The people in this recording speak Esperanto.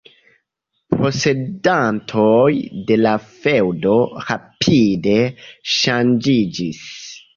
Posedantoj de la feŭdo rapide ŝanĝiĝis.